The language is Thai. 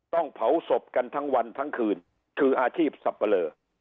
ต้องเผาศพกันทั้งวันทั้งคืนคืออาชีพสับปะเลอ